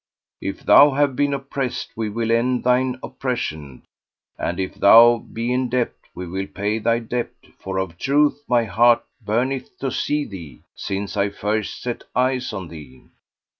If thou have been oppressed, we will end thine oppression, and if thou be in debt, we will pay thy debt; for of a truth my heart burneth to see thee, since I first set eyes on thee."